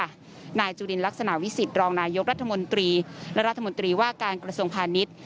นายจุลินลักษณะวิสิตรองนายกรัฐมนตรีและรัฐมนตรีว่าการกระทรวงพาณิชย์